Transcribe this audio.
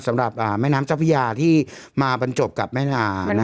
สำหรับแม่น้ำเจ้าพระยาที่มาบรรจบกับแม่นา